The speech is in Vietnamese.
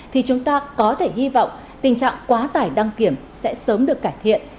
thì chúng ta có thể hy vọng tình trạng quá tải đăng kiểm sẽ sớm được cải thiện